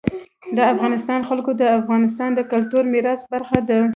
د افغانستان جلکو د افغانستان د کلتوري میراث برخه ده.